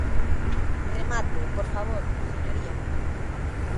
Remate, por favor, señoría.